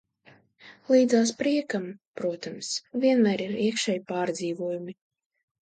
Līdzās priekam, protams, vienmēr ir iekšēji pārdzīvojumi.